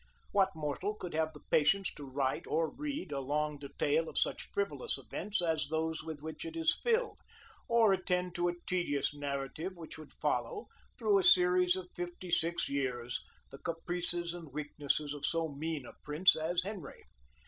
What mortal could have the patience to write or read a long detail of such frivolous events as those with which it is filled, or attend to a tedious narrative which would follow, through a series of fifty six years, the caprices and weaknesses of so mean a prince as Henry?